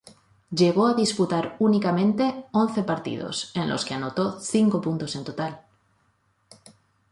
Llegó a disputar únicamente once partidos en los que anotó cinco puntos en total.